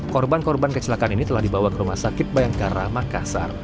korban korban kecelakaan ini telah dibawa ke rumah sakit bayangkara makassar